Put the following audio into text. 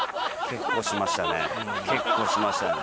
結構しましたね。